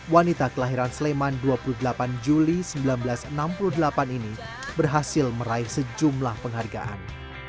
wanita kelahiran sleman dua puluh delapan juli seribu sembilan ratus enam puluh delapan ini berhasil meraih sejumlah penghargaan